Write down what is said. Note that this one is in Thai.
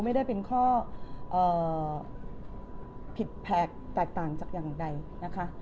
ไม่ได้เป็นข้อผิดแผกแตกต่างจากอย่างใดนะคะ